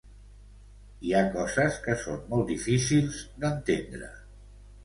Hi ha coses que són molt difícils d’entendre.